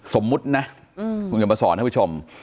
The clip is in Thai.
สมมตินะอืมคุณจะมาสอนให้ผู้ชม